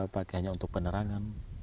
pakainya untuk penerangan